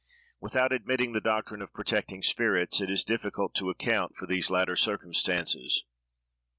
Without admitting the doctrine of protecting spirits, it is difficult to account for these latter circumstances.